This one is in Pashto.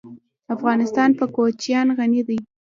افغانستان په کوچیان غني دی.